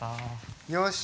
よし。